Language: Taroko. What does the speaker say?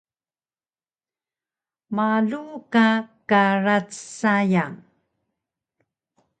Malu ka karac sayang